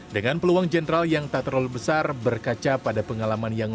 dengan peluang jenderal yang tak terlalu besar berkaca pada pengalaman yang